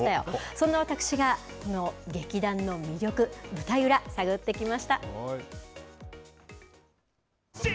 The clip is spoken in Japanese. そんな私が劇団の魅力、舞台裏、探ってきました。